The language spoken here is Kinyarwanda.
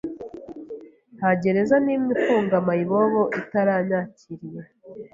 nta gereza n’imwe ifunga mayibobo itaranyakiriye